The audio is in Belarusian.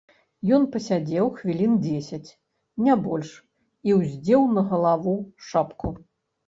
Ён пасядзеў хвілін дзесяць, не больш, і ўздзеў на галаву шапку.